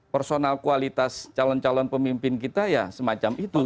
personal kualitas calon calon pemimpin kita ya semacam itu